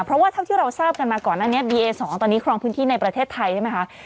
เพราะว่าเท่าที่เราทราบกันมาก่อนหน้านี้บีเอสองตอนนี้ครองพื้นที่ในประเทศไทยใช่ไหมคะ